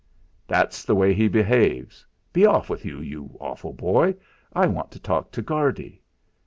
"That's the way he behaves. Be off with you, you awful boy. I want to talk to Guardy."